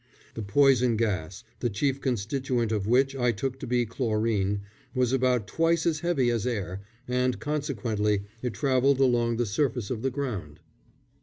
The poison gas, the chief constituent of which I took to be chlorine, was about twice as heavy as air, and, consequently, it travelled along the surface of the ground.